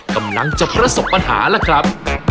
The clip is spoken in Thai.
กำลังจะประสบปัญหาล่ะครับ